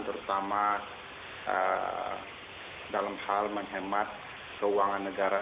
terutama dalam hal menghemat keuangan negara